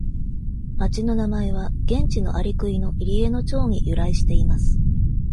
町の名前は現地のアリクイの入江の長に由来しています。